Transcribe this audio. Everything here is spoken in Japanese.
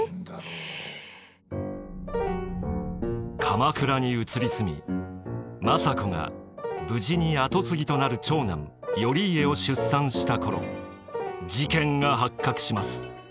鎌倉に移り住み政子が無事に跡継ぎとなる長男頼家を出産した頃事件が発覚します。